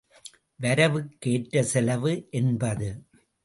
வரவுக் கேற்ற செலவு என்பது.